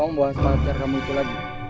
kamu buang sama pacar kamu itu lagi